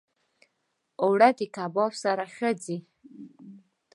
اوړه د کباب سره ښه ځي